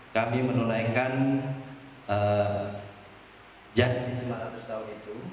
kami menulaikan jad lima ratus tahun itu